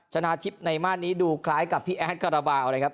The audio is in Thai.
ชนะทิพย์ในม่านนี้ดูคล้ายกับพี่แอดคาราบาลนะครับ